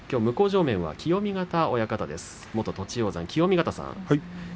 向正面は元栃煌山の清見潟親方です。